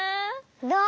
どう？